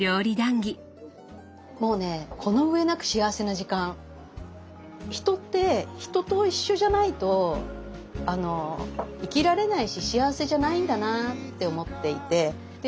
もうね人って人と一緒じゃないと生きられないし幸せじゃないんだなって思っていてで